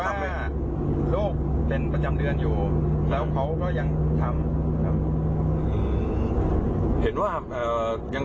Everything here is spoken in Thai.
ว่าต้องการอะไรจะเอาเท่าไหร่อะไรแบบไหน